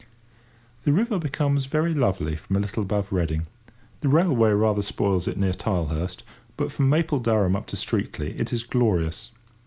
The river becomes very lovely from a little above Reading. The railway rather spoils it near Tilehurst, but from Mapledurham up to Streatley it is glorious.